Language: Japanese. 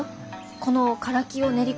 このカラキを練り込んだ